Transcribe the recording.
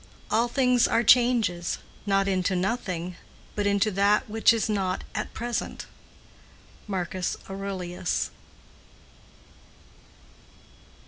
All things are changes, not into nothing, but into that which is not at present."—MARCUS AURELIUS.